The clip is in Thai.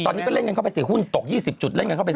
ตอนนี้ก็เล่นกันเข้าไป๔หุ้นตก๒๐จุดเล่นกันเข้าไป